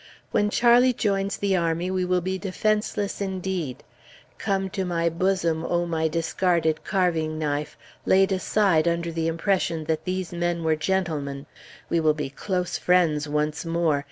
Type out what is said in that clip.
When Charlie joins the army, we will be defenseless, indeed. Come to my bosom, O my discarded carving knife, laid aside under the impression that these men were gentlemen. We will be close friends once more.